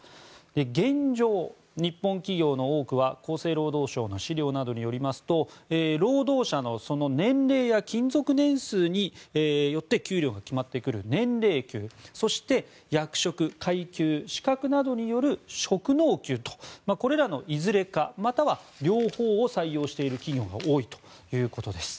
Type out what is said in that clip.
現状、日本企業の多くは厚生労働省の資料などによりますと労働者の年齢や勤続年数によって給料が決まってくる年齢給そして役職、階級、資格などによる職能給と、これらのいずれかまたは両方を採用している企業が多いということです。